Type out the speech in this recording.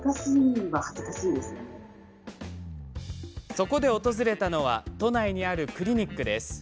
そこで、訪れたのは都内にあるクリニックです。